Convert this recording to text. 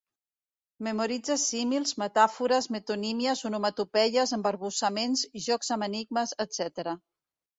Memoritze símils, metàfores, metonímies, onomatopeies, embarbussaments, jocs amb enigmes, etcètera.